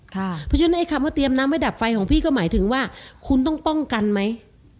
เพราะฉะนั้นไอ้คำว่าเตรียมน้ำไว้ดับไฟของพี่ก็หมายถึงว่าคุณต้องป้องกันไหม